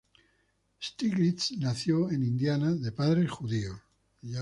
Stiglitz nació en Indiana de padres judíos.